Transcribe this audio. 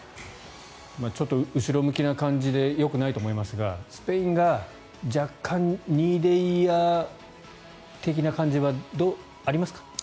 ちょっと後ろ向きな感じでよくないと思いますがスペインが若干２位でいいや的な感じはありますか？